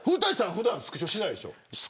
普段スクショしないでしょ。